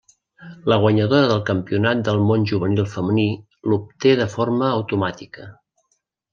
La guanyadora del Campionat del món juvenil femení l'obté de forma automàtica.